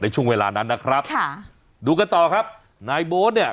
ช่วงเวลานั้นนะครับค่ะดูกันต่อครับนายโบ๊ทเนี่ย